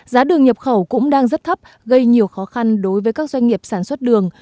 giá đường nhập khẩu cũng đang rất thấp gây nhiều khó khăn đối với các doanh nghiệp sản xuất đường